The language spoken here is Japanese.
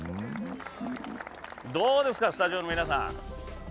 どうですか、スタジオの皆さん。